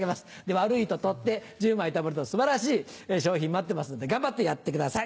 悪いと取って１０枚たまると素晴らしい賞品待ってますんで頑張ってやってください。